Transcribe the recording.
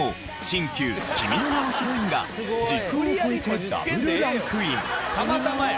新旧「君の名は」ヒロインが時空を超えてダブルランクイン。